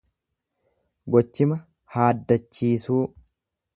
Gochima haaddachiisuu